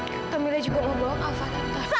kamila juga mau bawa kak fadil tante